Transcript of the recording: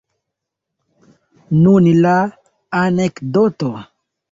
Nun la anekdoto.